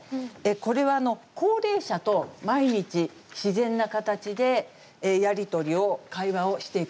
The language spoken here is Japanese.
これは高齢者と毎日、自然な形でやり取りを、会話をしていくと。